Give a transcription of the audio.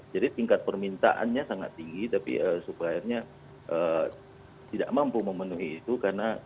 jadi tingkat permintaannya sangat tinggi tapi suppliernya tidak mampu memenuhi itu karena